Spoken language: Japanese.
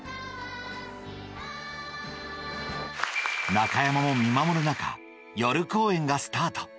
中山も見守る中夜公演がスタート